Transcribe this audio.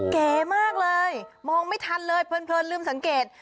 เก๋มากเลยมองไม่ทันเลยเพลินลืมสังเกต